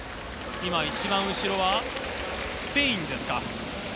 今一番後ろはスペインですか？